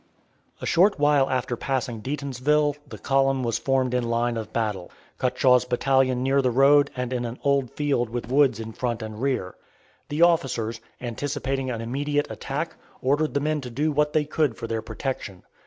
A short while after passing Deatonsville the column was formed in line of battle, Cutshaw's battalion near the road and in an old field with woods in front and rear. The officers, anticipating an immediate attack, ordered the men to do what they could for their protection.